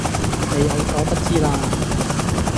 你有所不知啦